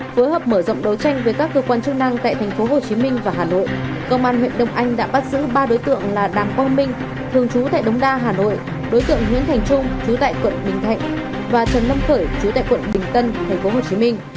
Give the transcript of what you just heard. phối hợp mở rộng đấu tranh với các cơ quan chức năng tại tp hcm và hà nội công an huyện đông anh đã bắt giữ ba đối tượng là đàm quang minh thường trú tại đống đa hà nội đối tượng nguyễn thành trung chú tại quận bình thạnh và trần lâm khởi chú tại quận bình tân tp hcm